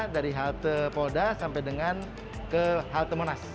dari halte polda sampai dengan ke halte monas